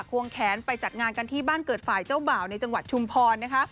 วงแขนไปจัดงานกันที่บ้านเกิดฝ่ายเจ้าบ่าวในจังหวัดชุมพรนะคะ